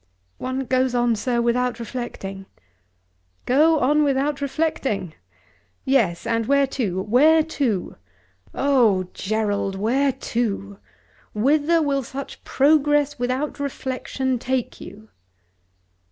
"One goes on, sir, without reflecting." "Go on without reflecting! Yes; and where to? where to? Oh Gerald, where to? Whither will such progress without reflection take you?"